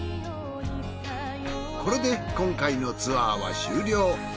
これで今回のツアーは終了。